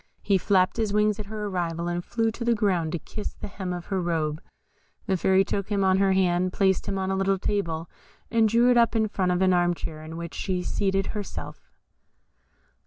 He flapped his wings at her arrival, and flew to the ground to kiss the hem of her robe. The Fairy took him on her hand, placed him on a little table, and drew it up in front of an arm chair, in which she seated herself.